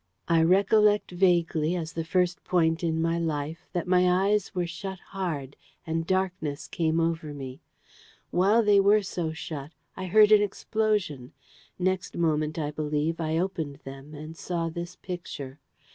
I recollect vaguely, as the first point in my life, that my eyes were shut hard, and darkness came over me. While they were so shut, I heard an explosion. Next moment, I believe, I opened them, and saw this Picture.